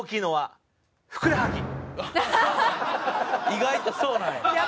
意外とそうなんや。